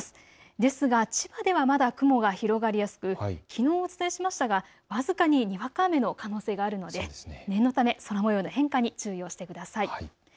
ですが千葉ではまだ雲が広がりやすくきのうお伝えしましたが僅かににわか雨の可能性があるので念のため空もようの変化に注意をしてください。